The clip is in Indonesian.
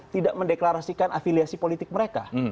tidak mendeklarasikan afiliasi politik mereka